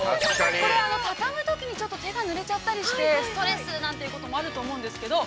◆これは畳むときに、手ぬれちゃったりして、ストレスなんてこともあると思うんですけど。